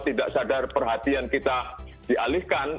tidak sadar perhatian kita dialihkan